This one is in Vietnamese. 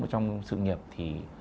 trong sự nghiệp thì